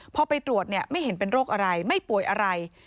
พอไปตรวจเนี่ยไม่เห็นเป็นโรคอะไรไม่ป่วยอะไร